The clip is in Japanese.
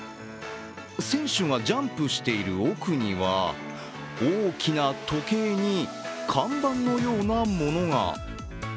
選手がジャンプしている奥には大きな時計に看板のようなものが。